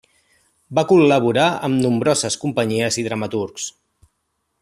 Va col·laborar amb nombroses companyies i dramaturgs.